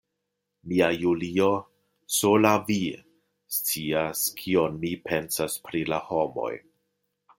Mia Julio, sola vi scias, kion mi pensas pri la homoj.